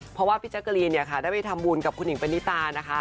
เพราะว่าพี่จักรีได้ไปทำบุญกับคุณหญิงเป็นนิตานะคะ